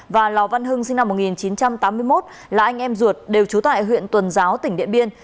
và lò văn hưng sinh năm một nghìn chín trăm tám mươi một là anh em ruột đều trú tại huyện tuần giáo tỉnh điện biên